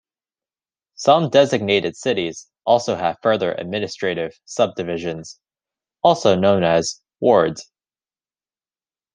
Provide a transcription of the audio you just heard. Some designated cities also have further administrative subdivisions, also known as wards.